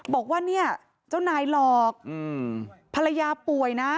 บอกว่าเนี่ยเจ้านายหลอกภรรยาป่วยนะ